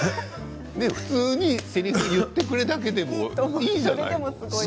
普通にせりふを言ってくれるだけでいいじゃない。